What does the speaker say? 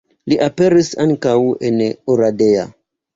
Li aperis ankaŭ en Oradea.